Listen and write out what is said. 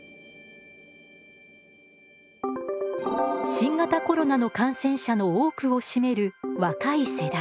新型コロナの感染者の多くを占める若い世代。